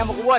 eh mau kebun